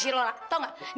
si rora tau gak